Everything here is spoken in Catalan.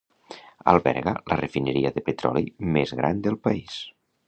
Alberga la refineria de petroli més gran del país.